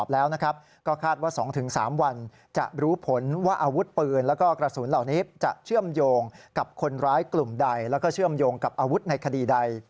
แล้วก็เชื่อมโยงกับอาวุธในคดีใด